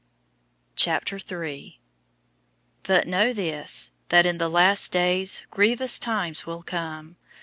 003:001 But know this, that in the last days, grievous times will come.